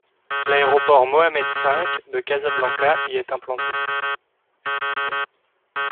L'aéroport Mohammed-V de Casablanca y est implanté.